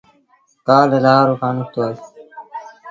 ڪآل لآهور کآݩ نکتو اهي